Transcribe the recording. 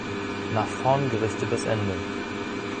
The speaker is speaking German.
Nach vorn gerichtetes Ende.